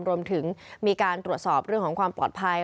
รวมถึงมีการตรวจสอบเรื่องของความปลอดภัย